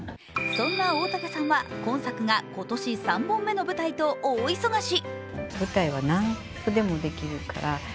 そんな大竹さんは今作が今年３本目の舞台と大忙し。